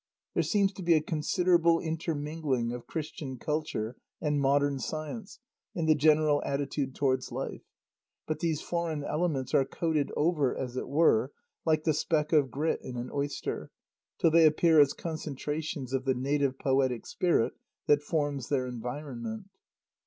There seems to be a considerable intermingling of Christian culture and modern science in the general attitude towards life, but these foreign elements are coated over, as it were, like the speck of grit in an oyster, till they appear as concentrations of the native poetic spirit that forms their environment.